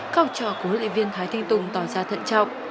học trò của luyện viên thái thanh tùng tỏ ra thận trọng